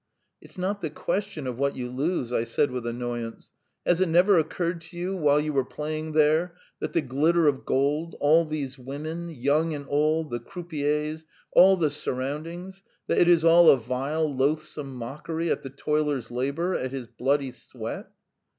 "It's not the question of what you lose," I said with annoyance. "Has it never occurred to you while you were playing there that the glitter of gold, all these women, young and old, the croupiers, all the surroundings that it is all a vile, loathsome mockery at the toiler's labour, at his bloody sweat?